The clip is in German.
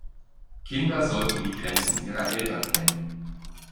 Kinder sollten die Grenzen ihrer Eltern kennen.